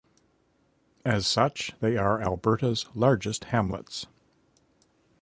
As such, they are Alberta's largest hamlets.